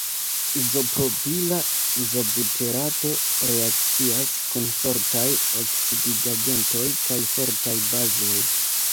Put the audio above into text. Izopropila izobuterato reakcias kun fortaj oksidigagentoj kaj fortaj bazoj.